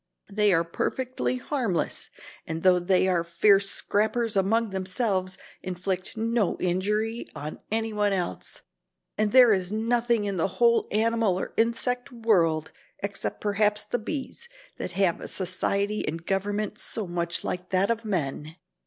They are perfectly harmless and though they are fierce scrappers among themselves, inflict no injury on any one else. And there is nothing in the whole animal or insect world, except perhaps the bees, that have a society and government so much like that of men."